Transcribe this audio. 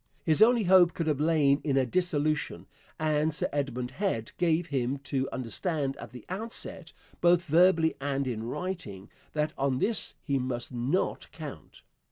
His only hope could have lain in a dissolution, and Sir Edmund Head gave him to understand at the outset, both verbally and in writing, that on this he must not count.